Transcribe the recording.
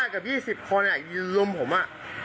๑๕กับ๒๐คนอยู่รุมผมอะ